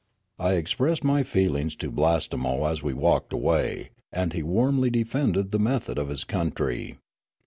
I expressed my feelings to Blastemo as we walked away, and he warmly defended the method of his country.